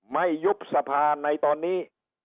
ไม่ยุบสภาในตอนนี้